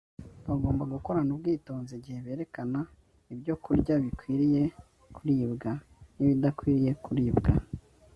bagomba gukorana ubwitonzi igihe berekana ibyokurya bikwiriye kuribwa, n'ibidakwiriye kuribwa